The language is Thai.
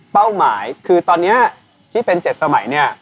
หมายคือตอนนี้ที่เป็น๗สมัยเนี่ย